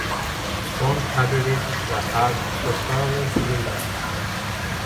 Forms aggregates that are subparallel to radial.